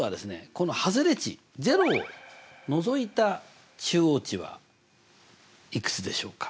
この外れ値０をのぞいた中央値はいくつでしょうか？